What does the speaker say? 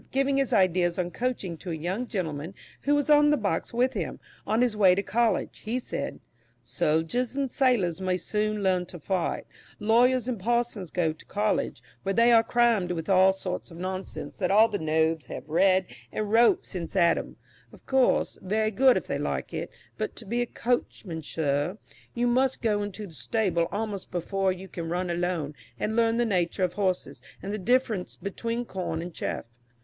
Giving his ideas on coaching to a young gentleman who was on the box with him, on his way to college, he said: "Soldiers and sailors may soon learn to fight; lawyers and parsons go to college, where they are crammed with all sorts of nonsense that all the Nobs have read and wrote since Adam of course, very good if they like it but to be a coachman, sir, you must go into the stable almost before you can run alone, and learn the nature of horses and the difference between corn and chaff.